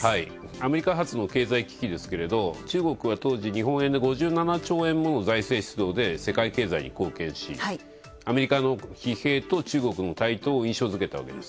アメリカ発の経済危機ですけども中国は当時、日本円で５７兆円もの財政出動で、世界経済に貢献し、アメリカの疲弊と中国の対等を印象づけたわけです。